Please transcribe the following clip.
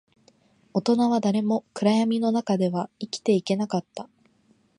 大人は誰も暗闇の中では生きていけなかった